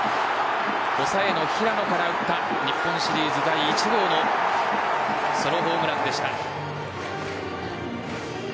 抑えの平野から打った日本シリーズ第１号のソロホームランでした。